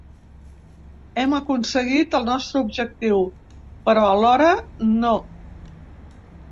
Hem aconseguit el nostre objectiu, però alhora, no.